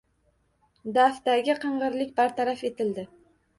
“Daf”dagi qing‘irlik bartaraf etildi